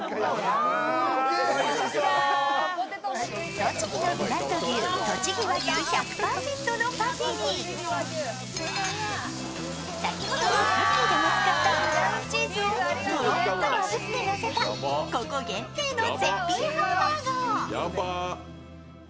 栃木のブランド牛、とちぎ和牛１００％のパティに先ほどのクッキーでも使ったブラウンチーズをとろっとあぶってのせた、ここ限定の絶品ハンバーガー。